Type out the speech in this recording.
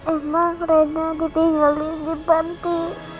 emang rena ditinggalin di pantai